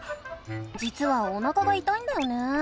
じつはおなかがいたいんだよね。